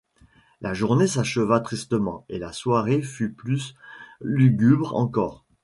La journée s’acheva tristement et la soirée fut plus lugubre encore.